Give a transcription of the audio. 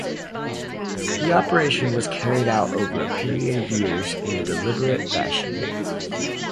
The operation was carried out over a period of years in a deliberate fashion.